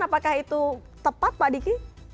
apakah itu tepat pak diki